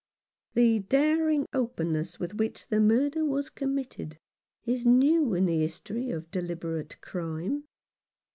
The daring openness with which the murder was committed is new in the history of deliberate crime.